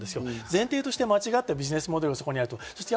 前提として間違ったビジネスモデルがあると思う。